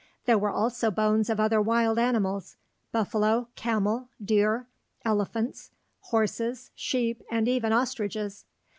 There were also bones of other wild animals: buffalo, camel, deer, elephants, horses, sheep, and even ostriches.